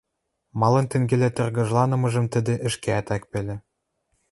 Малын тенгелӓ тыргыжланымыжым тӹдӹ ӹшкеӓт ак пӓлӹ.